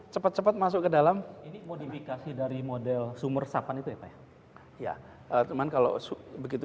cepat cepat masuk ke dalam ini modifikasi dari model sumur resapan itu ya pak ya teman kalau begitu